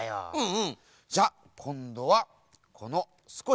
うん？